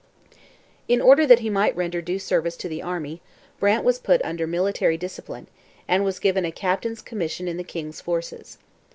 In order that he might render due service to the army, Brant was put under military discipline, and was given a captain's commission in the king's forces.